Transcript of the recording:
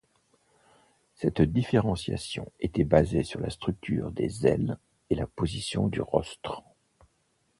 Cette différenciation était basée sur la structure des ailes et la position du rostre.